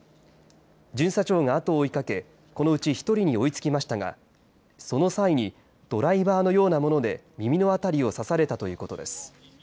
巡査長が後を追いかけこのうち１人に追いつきましたがその際にドライバーのようなもので耳の辺りを刺されたということです。